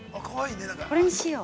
これにしよう。